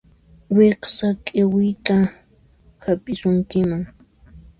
Wiksa q'iwiytaq hap'isunkiman.